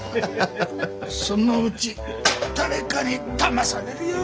そのうち誰かにだまされるよ。